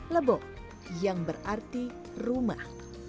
lebo yang berarti rumah